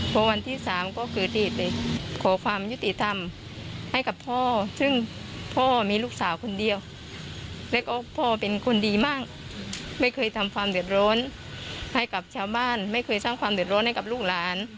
พอวันที่สามก็เกิดเหตุเลยขอความยุติธรรมให้กับพ่อซึ่งพ่อมีลูกสาวคนเดียวแล้วก็พ่อเป็นคนดีมากไม่เคยทำความเดือดร้อนให้กับชาวบ้านไม่เคยสร้างความเดือดร้อนให้กับลูกหลาน